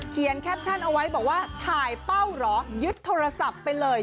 แคปชั่นเอาไว้บอกว่าถ่ายเป้าเหรอยึดโทรศัพท์ไปเลย